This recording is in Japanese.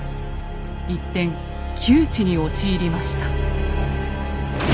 一転窮地に陥りました。